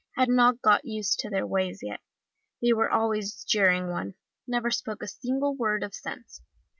I had not got used to their ways yet; they were always jeering one never spoke a single word of sense.